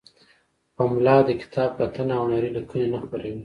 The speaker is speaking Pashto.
پملا د کتاب کتنه او هنری لیکنې نه خپروي.